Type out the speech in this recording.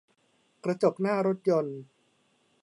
กระจกหน้ารถยนต์